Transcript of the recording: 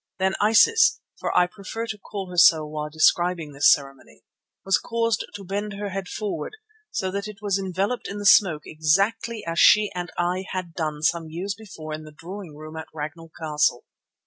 Then Isis, for I prefer to call her so while describing this ceremony, was caused to bend her head forward, so that it was enveloped in the smoke exactly as she and I had done some years before in the drawing room at Ragnall Castle.